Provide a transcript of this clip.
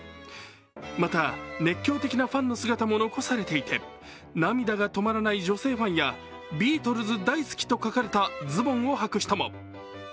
また、熱狂的なファンの姿も残されていて涙が止まらない女性ファンや「ビートルズ大好き」と書かれたズボンをはく人も。